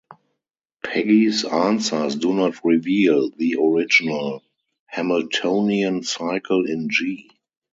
Peggy's answers do not reveal the original Hamiltonian cycle in "G".